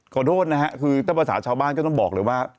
ขอโทษนะฮะคือถ้าภาษาชาวบ้านก็ต้องบอกเลยว่า